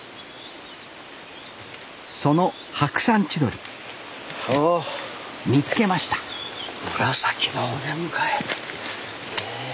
そのハクサンチドリ見つけました紫のお出迎えへえ。